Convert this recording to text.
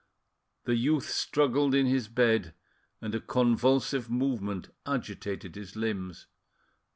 The youth struggled in his bed, and a convulsive movement agitated his limbs.